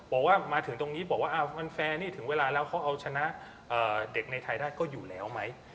บอกว่ามาถึงตรงนี้บอกว่ามันแฟร์นี่ถึงเวลาแล้วเขาเอาชนะเด็กในไทยได้ก็อยู่แล้วไหม